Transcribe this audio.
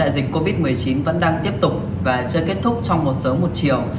dịch covid một mươi chín vẫn đang tiếp tục và chưa kết thúc trong một sớm một chiều